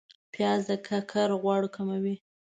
پیاز د ککر غوړ کموي